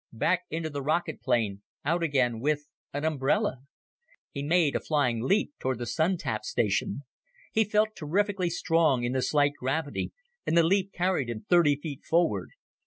Back into the rocket plane, out again with an umbrella! He made a flying leap toward the Sun tap station. He felt terrifically strong in the slight gravity, and the leap carried him thirty feet forward.